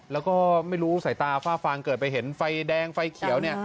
แล้วก็ไม่รู้สายตาฝ้าฟางเกิดไปเห็นไฟแดงไฟเขียวเนี่ย